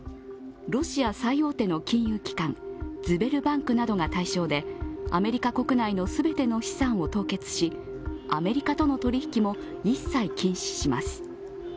ロシア最大手の金融機関、ズベルバンクなどが対象でアメリカ国内の全ての資産を凍結しアメリカとの取り引きも一切禁止します。